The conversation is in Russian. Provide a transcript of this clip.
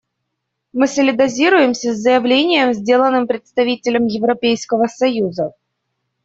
Мы солидаризируемся с заявлением, сделанным представителем Европейского союза.